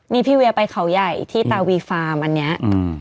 นี่พี่เวียไปเขาใหญ่ที่ตาวีฟาร์มอันเนี้ยอืม